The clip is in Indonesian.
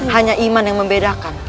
hanya iman yang membedakan